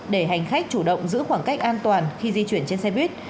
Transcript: để hành khách chủ động giữ khoảng cách an toàn khi di chuyển trên xoay viết